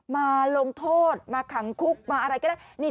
มาลงโทษมาขังคุกมาอะไรก็ได้